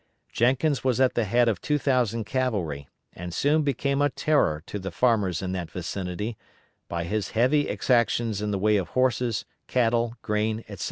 Jenkins was at the head of 2,000 cavalry, and soon became a terror to the farmers in that vicinity by his heavy exactions in the way of horses, cattle, grain, etc.